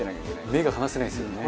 目が離せないですよね。